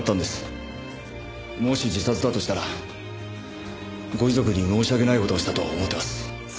もし自殺だとしたらご遺族に申し訳ない事をしたと思ってます。